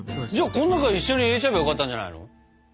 じゃあこん中に一緒に入れちゃえばよかったんじゃないの？